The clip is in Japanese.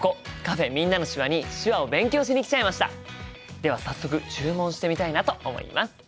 では早速注文してみたいなと思います。